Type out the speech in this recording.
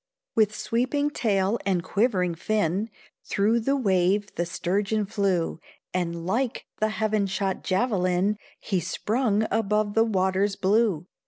With sweeping tail and quivering fin, Through the wave the sturgeon flew, And, like the heaven shot javelin, He sprung above the waters blue.